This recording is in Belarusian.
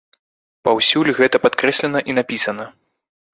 Паўсюль гэта падкрэслена і напісана.